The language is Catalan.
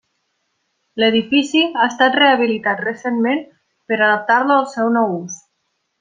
L'edifici ha estat rehabilitat recentment per adaptar-lo al seu nou ús.